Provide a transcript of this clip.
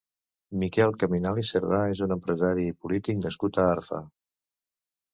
Miquel Caminal i Cerdà és un empresari i polític nascut a Arfa.